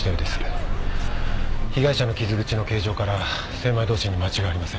被害者の傷口の形状から千枚通しに間違いありません。